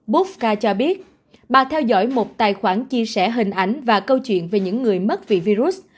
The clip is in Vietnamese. boodca cho biết bà theo dõi một tài khoản chia sẻ hình ảnh và câu chuyện về những người mất vì virus